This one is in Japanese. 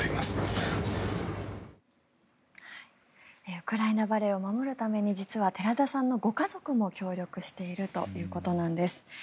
ウクライナバレエを守るために実は寺田さんのご家族も協力しているということなんです。